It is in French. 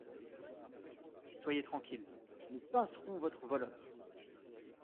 Soyez tranquille ; nous pincerons votre voleur.